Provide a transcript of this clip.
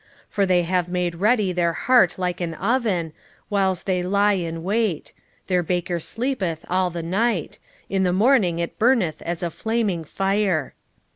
7:6 For they have made ready their heart like an oven, whiles they lie in wait: their baker sleepeth all the night; in the morning it burneth as a flaming fire.